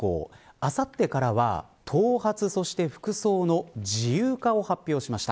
あさってからは頭髪そして服装の自由化を発表しました。